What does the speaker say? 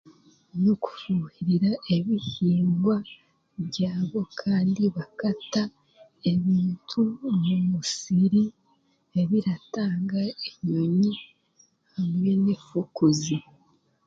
Ni kufuhirira ebihingwa byabo kandi bakata ebintu omu musiri ebiratanga enyonyi hamwe n'efukuzi